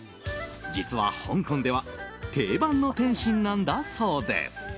実は、香港では定番の点心なんだそうです。